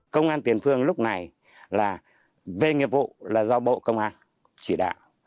công an tiền phương lúc này là về nghiệp vụ là do bộ công an chỉ đạo